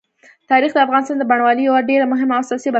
تاریخ د افغانستان د بڼوالۍ یوه ډېره مهمه او اساسي برخه ګڼل کېږي.